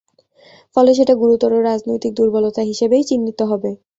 ফলে সেটা গুরুতর রাজনৈতিক দুর্বলতা হিসেবেই চিহ্নিত হবে।